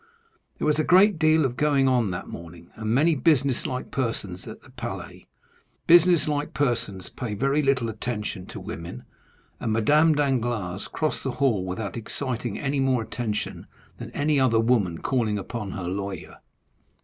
There was a great deal going on that morning, and many business like persons at the Palais; business like persons pay very little attention to women, and Madame Danglars crossed the hall without exciting any more attention than any other woman calling upon her lawyer.